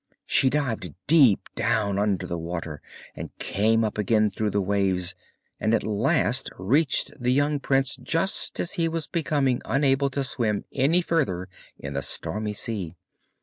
She dived deep down under the water, and came up again through the waves, and at last reached the young prince just as he was becoming unable to swim any further in the stormy sea.